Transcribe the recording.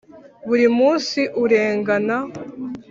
buri munsi urengana